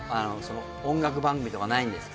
音楽番組とかないんですか？